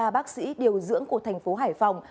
ba mươi ba bác sĩ điều dưỡng của thành phố hải phòng